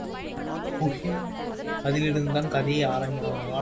ஊஹூம் அதிலிருந்துதான் கதையே ஆரம்பமானது.